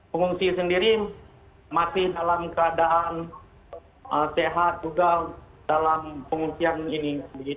pengungsi sendiri masih dalam keadaan sehat juga dalam pengungsian ini